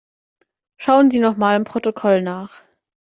Schauen Sie nochmal im Protokoll nach.